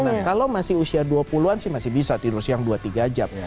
nah kalau masih usia dua puluh an sih masih bisa tidur siang dua tiga jam